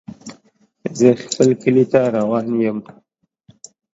زه خپل کلي ته روان يم.